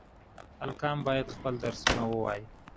He attended University of Kigali.